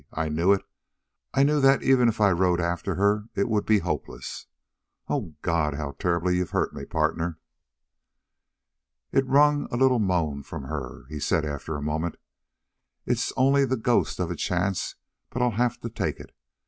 I knew it. I knew that even if I rode after her it would be hopeless. Oh, God, how terribly you've hurt me, partner!" It wrung a little moan from her. He said after a moment: "It's only the ghost of a chance, but I'll have to take it.